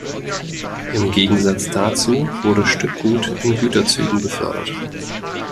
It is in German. Im Gegensatz dazu wurde Stückgut in Güterzügen befördert.